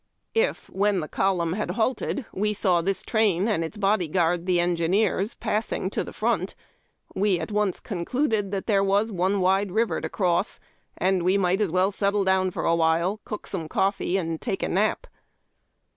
If, when the column had lialted, we saw this train and its body guard, tlie engi neers, passing to the front, we at once concluded tliat tliere was " one wide river to cross," and we might as well settle down for a while, cook some coffee, and take a nap.